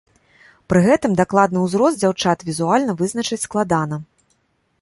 Пры гэтым дакладны ўзрост дзяўчат візуальна вызначыць складана.